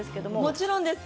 もちろんです。